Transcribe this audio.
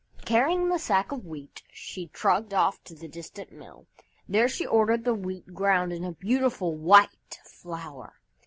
Carrying the sack of Wheat, she trudged off to the distant mill. There she ordered the Wheat ground into beautiful white flour.